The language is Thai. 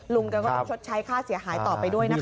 ลุงแกก็ต้องชดใช้ค่าเสียหายต่อไปด้วยนะคะ